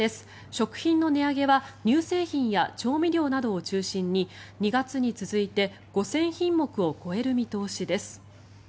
食品の値上げは乳製品や調味料などを中心に２月に続いて５０００品目を超える見通しです。